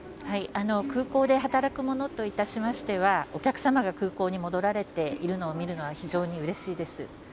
空港で働くものといたしましては、お客様が空港に戻られているのを見るのは非常にうれしいです。